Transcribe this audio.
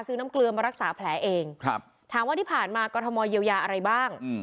น้ำเกลือมารักษาแผลเองครับถามว่าที่ผ่านมากรทมเยียวยาอะไรบ้าง